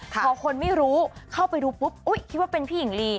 พอคนไม่รู้เข้าไปดูปุ๊บอุ๊ยคิดว่าเป็นพี่หญิงลี